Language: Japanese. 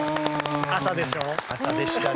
朝でしょう？